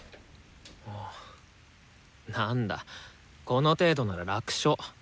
なんだこの程度なら楽勝。